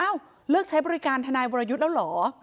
เลือกใช้บริการทนายวรยุทธ์แล้วเหรอ